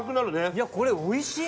いやこれ美味しい！